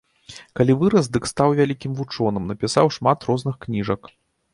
Калі вырас, дык стаў вялікім вучоным, напісаў шмат розных кніжак.